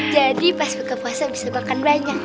jadi pas berkepuasa bisa makan banyak